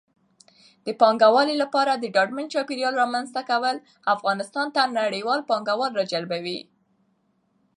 د پانګونې لپاره د ډاډمن چاپېریال رامنځته کول افغانستان ته نړیوال پانګوال راجلبوي.